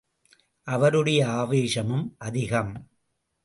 அவருடைய ஆவேசமும் அதிகம்!